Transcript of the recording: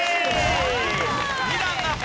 ２段アップ